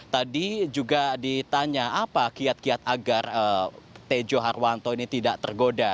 tadi juga ditanya apa kiat kiat agar tejo harwanto ini tidak tergoda